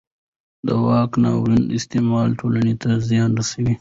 د واک ناوړه استعمال ټولنې ته زیان رسوي